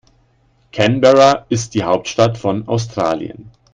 Canberra ist die Hauptstadt von Australien.